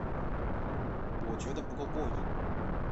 我觉得不够过瘾